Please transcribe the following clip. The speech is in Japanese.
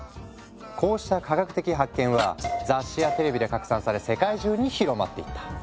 こうした科学的発見は雑誌やテレビで拡散され世界中に広まっていった。